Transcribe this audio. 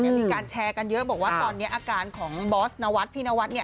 มีการแชร์กันเยอะบอกว่าตอนนี้อาการของบอสนวัฒน์พี่นวัดเนี่ย